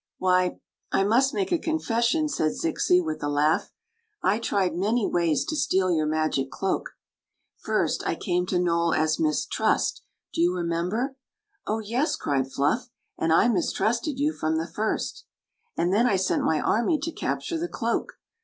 "Why, I must make a confession," said Zixi, with a laugh. " I tried many ways to steal your magic cloak. First, I came to Nole as * Mbs Tn»t* Do you remember?'* "Oh, yes!" cried Fluff; "and I mistrusted you from the first" "And then I sent my army to capture the cloak.